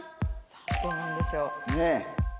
さあどうなんでしょう？ねえ。